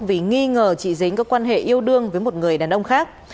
vì nghi ngờ chị dính có quan hệ yêu đương với một người đàn ông khác